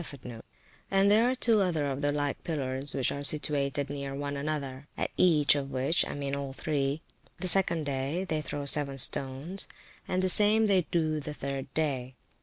[FN#38] And there are two other of the like pillars, which are situated near one another; at each of which [p.377] (I mean all three), the second day, they throw seven stones; and the same they do the third day.